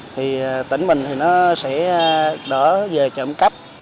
thì tỉnh mình thì nó sẽ đỡ về trộm cắp